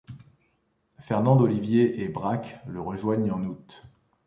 Fernande Olivier et Braque le rejoignent en août.